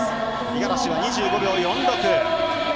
五十嵐は２５秒４６。